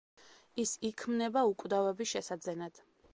ის იქმნება უკვდავების შესაძენად.